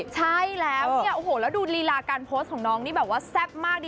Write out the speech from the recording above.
ใช่แล้วแล้วดูลีลาการโพสต์ของน้องนี่แบบว่าแซ่บมากดิ